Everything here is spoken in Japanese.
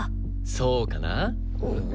そうかな？